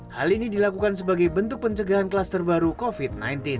hal ini dilakukan sebagai bentuk pencegahan kluster baru covid sembilan belas